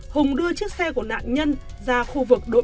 hùng đưa chiếc xe của nạn nhân ra khu vực đội một mươi hai